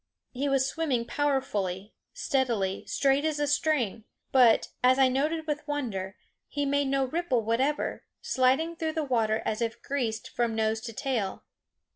He was swimming powerfully, steadily, straight as a string; but, as I noted with wonder, he made no ripple whatever, sliding through the water as if greased from nose to tail.